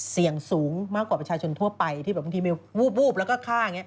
เสี่ยงสูงมากกว่าประชาชนทั่วไปที่เรามีวุบแล้วก็ฆ่า